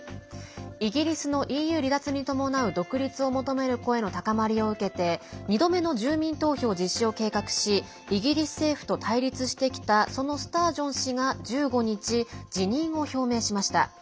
イギリスのＥＵ離脱に伴う独立を求める声の高まりを受けて２度目の住民投票実施を計画しイギリス政府と対立してきたそのスタージョン氏が１５日、辞任を表明しました。